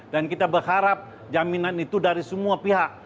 kita berharap jaminan itu dari semua pihak